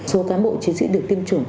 số cán bộ chiến sĩ được tiêm chủng